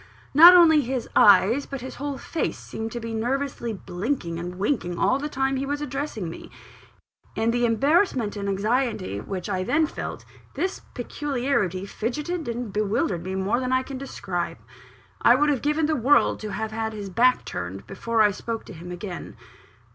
Not only his eyes, but his whole face, seemed to be nervously blinking and winking all the time he was addressing me, In the embarrassment and anxiety which I then felt, this peculiarity fidgetted and bewildered me more than I can describe. I would have given the world to have had his back turned, before I spoke to him again.